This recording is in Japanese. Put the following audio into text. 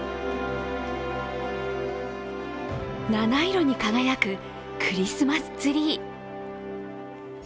７色に輝くクリスマスツリー。